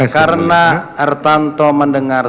karena artanto mendengar